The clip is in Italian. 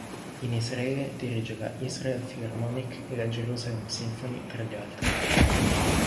In Israele dirige la Israel Philharmonic e la Jerusalem Symphony tra gli altri.